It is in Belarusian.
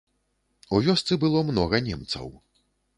У вёсцы было многа немцаў.